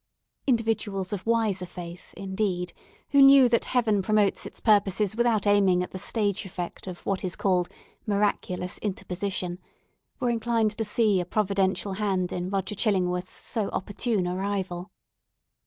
Individuals of wiser faith, indeed, who knew that Heaven promotes its purposes without aiming at the stage effect of what is called miraculous interposition, were inclined to see a providential hand in Roger Chillingworth's so opportune arrival.